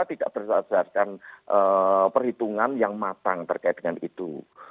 tidak berdasarkan perhitungan yang matang terkait dengan itu